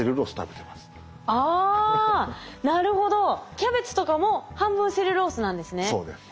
キャベツとかも半分セルロースなんですね。